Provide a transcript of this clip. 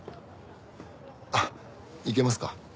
あっいけますか？